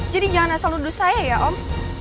jadi jangan asal ludus saya ya om